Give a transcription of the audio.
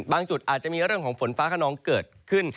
จุดอาจจะมีเรื่องของฝนฟ้าขนองเกิดขึ้น